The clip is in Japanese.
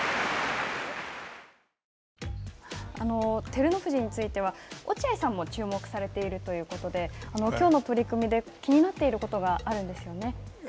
照ノ富士については落合さんも注目されているということできょうの取組で気になっていることがあるんですよね？